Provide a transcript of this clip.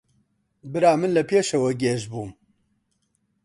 برا من لە پێشەوە گێژ دەبم